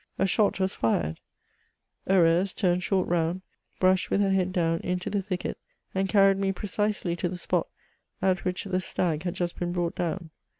A shot , ^as fired ; Heureuse turned shdrt round, brusb^* "^^ her head down, into the thicket, and carried me precisely to the spot at which the stag had just been brought down.